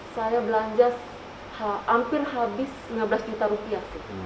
saya belanja hampir habis rp lima belas juta